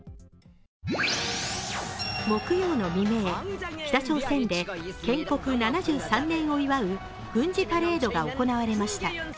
木曜の未明、北朝鮮で建国７３年を祝う軍事パレードが行われました。